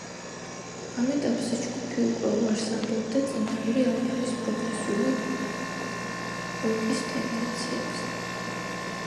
ამ ეტაპზე ჯგუფი უკვე უარს ამბობდა წინა ორი ალბომის პროგრესული როკის ტენდენციებზე.